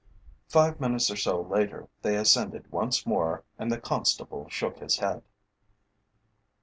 Five minutes or so later they ascended once more and the constable shook his head.